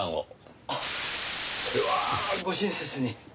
それはご親切に。